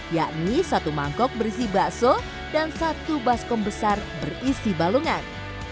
yakni satu mangkok berisi bakso dan satu baskom besar berisi balungan